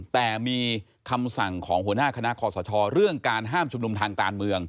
แต่มีคำสั่งของหัวหน้าคณะคอสชเรื่องการห้ามชุมนุมทางการเมือง